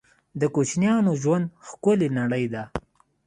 د کوچنیانو ژوند ښکلې نړۍ ده